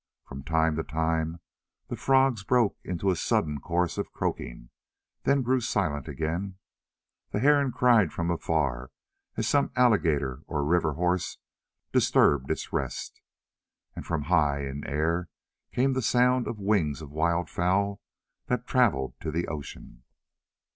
From time to time the frogs broke into a sudden chorus of croaking, then grew silent again; the heron cried from afar as some alligator or river horse disturbed its rest, and from high in air came the sound of the wings of wild fowl that travelled to the ocean.